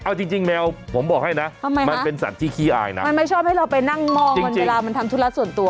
เอาจริงจริงแมวผมบอกให้นะมันเป็นสัตว์ที่ขี้อายนะมันไม่ชอบให้เราไปนั่งมองเวลามันทำธุระส่วนตัว